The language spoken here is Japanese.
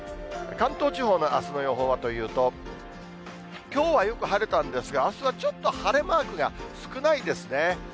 関東地方のあすの予報はというと、きょうはよく晴れたんですが、あすはちょっと晴れマークが少ないですね。